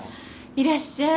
いらっしゃい。